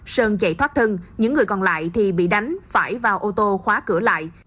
sơn chạy thoát thân những người còn lại thì bị đánh phải vào ô tô khóa cửa lại